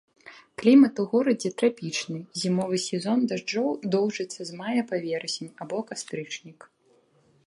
Клімат у горадзе трапічны, зімовы сезон дажджоў доўжыцца з мая па верасень або кастрычнік.